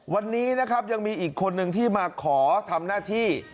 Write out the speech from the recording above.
วันนี้นะครับยังมีอีกคนนึงที่มาขอทำหน้าที่